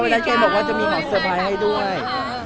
แล้วแกบอกว่าจะมีของเซอร์ไพรส์ให้ด้วย